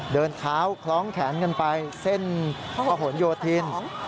เดินเท้าคล้องแขนกันไปเส้นพระหลโยธิน